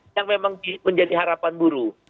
yang memang menjadi harapan buruh